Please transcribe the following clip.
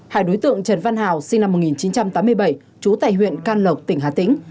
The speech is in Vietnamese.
hai đối tượng trần văn hào sinh năm một nghìn chín trăm tám mươi bảy trú tại huyện can lộc tỉnh hà tĩnh